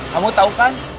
kamu tau kan